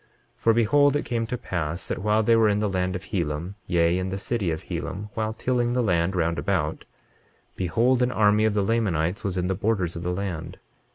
23:25 For behold, it came to pass that while they were in the land of Helam, yea, in the city of Helam, while tilling the land round about, behold an army of the Lamanites was in the borders of the land.